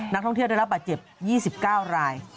นักท่องเที่ยวได้รับบาดเจ็บ๒๙ราย